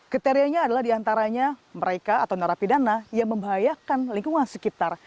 kriterianya adalah diantaranya mereka atau narapidana yang membahayakan lingkungan sekitar